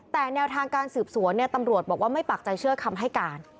แต่แนวทางการสืบสวนตำรวจบอกว่าไม่ปากใจเชื่อคำให้การ